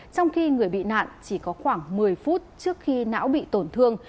trong khi người bị nạn chỉ có khoảng một mươi phút trước khi não bị tổn thương